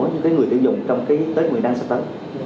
những cái người tiêu dụng trong cái tết nguyên tháng sắp tới